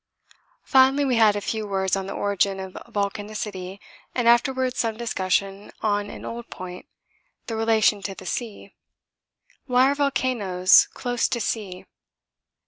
Finally we had a few words on the origin of volcanicity and afterwards some discussion on an old point the relation to the sea. Why are volcanoes close to sea?